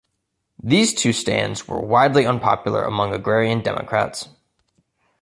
These two stands were widely unpopular among agrarian Democrats.